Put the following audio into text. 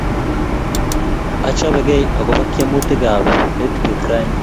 achobegei akobo tiemutik ab let pet raini